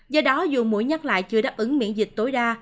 do đó dù mũi nhắc lại chưa đáp ứng miễn dịch tối đa